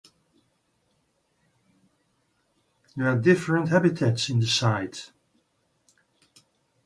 There are different habitats in the site.